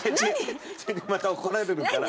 また怒られるから。